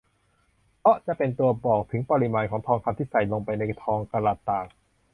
เพราะจะเป็นตัวบอกถึงปริมาณของทองคำที่ใส่ลงไปในทองกะรัตต่าง